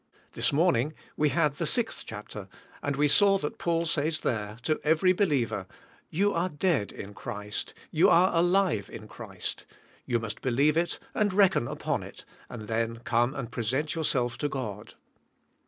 This morning we had the sixth chapter and we saw that Paul says there, to every believer, You are dead in Christ, you are alive in Christ, you must be lieve it and reckon upon it and then come and pre sent yourself to God.